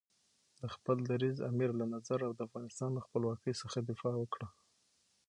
د خپل دریځ، امیر له نظر او د افغانستان له خپلواکۍ څخه دفاع وکړه.